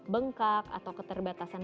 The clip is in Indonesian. bengkak atau keterbatasan